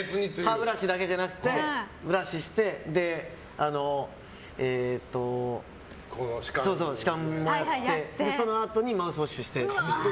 歯ブラシだけじゃなくてブラシして歯間もやってそのあとにマウスウォッシュをやって。